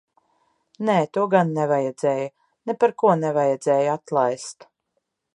Nē, to gan nevajadzēja. Neparko nevajadzēja atlaist.